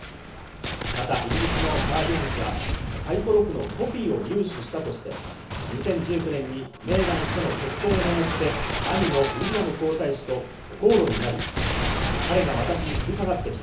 またイギリスのガーディアン紙は回顧録のコピーを入手したとして、２０１９年にメーガン妃との結婚をめぐって、兄のウィリアム皇太子と口論になり、彼が私に飛びかかってきた。